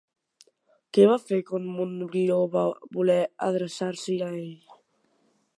Què va fer quan Montbrió va voler adreçar-s'hi a ell?